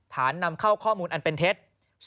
นำเข้าข้อมูลอันเป็นเท็จ